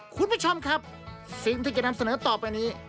คุณผู้ชมครับสิ่งที่จะนำเสนอต่อไปนี้